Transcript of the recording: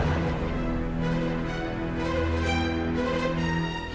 aku akan membalaskan mereka